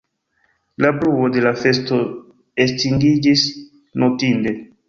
La bruo de la festo estingiĝis notinde.